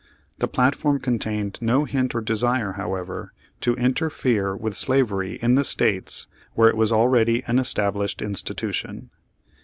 The platform con tained no hint or desire, however, to interfere with slavery in the States where it was already an established institution.